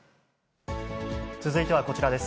続いてはこちらです。